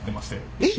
えっ？